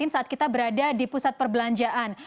saat kita berada di pusat perbelanjaan